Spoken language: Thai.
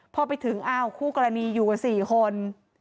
พอไปถึงอ้าวคู่กรณีอยู่กัน๔คน